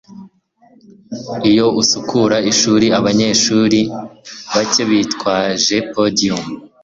iyo usukura ishuri, abanyeshuri bake bitwaje podium